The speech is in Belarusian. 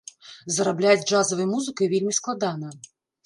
Зарабляць джазавай музыкай вельмі складана.